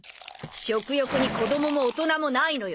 食欲に子供も大人もないのよ。